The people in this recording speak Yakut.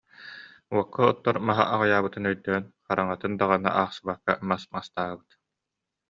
Уокка оттор маһа аҕыйаабытын өйдөөн, хараҥатын даҕаны аахсыбакка, мас мастаабыт